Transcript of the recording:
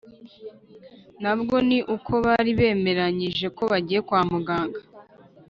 na bwo ni uko bari bemeranyije ko bagiye kwa muganga